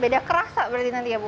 beda kerasa berarti nanti ya bu